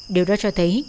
điều đó cho thấy